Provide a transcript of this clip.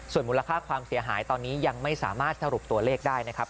ส่วนมูลค่าความเสียหายตอนนี้ยังไม่สามารถสรุปตัวเลขได้นะครับ